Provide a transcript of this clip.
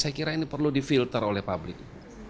saya kira ini perlu di filter oleh publik